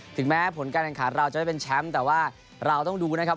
ถึงแม้ผลการแข่งขันเราจะไม่เป็นแชมป์แต่ว่าเราต้องดูนะครับ